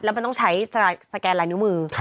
มันต้องใช้สแกนลายนิ้วมือ